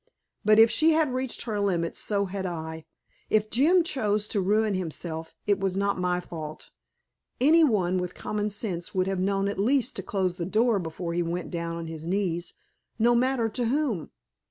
But if she had reached her limit, so had I. If Jim chose to ruin himself, it was not my fault. Any one with common sense would have known at least to close the door before he went down on his knees, no matter to whom.